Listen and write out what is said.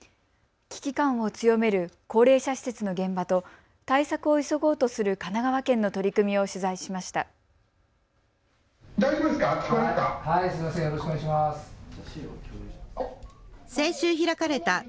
危機感を強める高齢者施設の現場と対策を急ごうとする神奈川県の取り組みを取材しました。